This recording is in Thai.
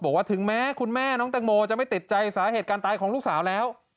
บอกว่าถึงแม้คุณแม่น้องแตงโมจะไม่ติดใจสาเหตุการณ์ตายของลูกสาวแล้ว